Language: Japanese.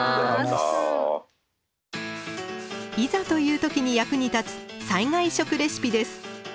いざという時に役に立つ災害食レシピです。